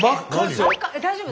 大丈夫？